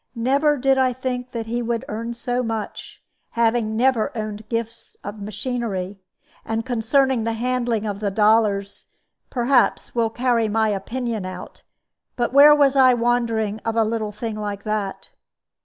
Never did I think that he would earn so much, having never owned gifts of machinery; and concerning the handling of the dollars, perhaps, will carry my opinion out. But where was I wandering of a little thing like that?